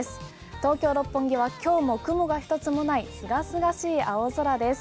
東京・六本木は今日も雲が一つもない清々しい青空です。